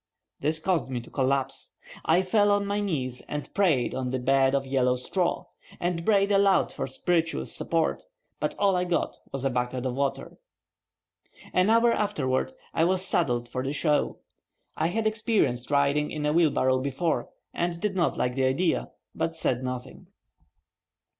This caused me to collapse. I fell on my knees and preyed on the bed of yellow straw, and brayed aloud for spirituous support, but all I got was a bucket of water. An hour afterward I was saddled for the show. I had experienced riding in a wheelbarrow before, and did not like the idea, but said nothing.